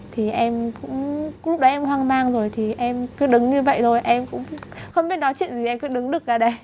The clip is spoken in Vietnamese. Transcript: thì em cũng lúc đấy em hoang mang rồi thì em cứ đứng như vậy thôi em cũng không biết nói chuyện gì em cứ đứng đực ra đây